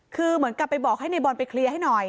คือเหมือนกับไปบอกให้ในบอลไปเคลียร์ให้หน่อย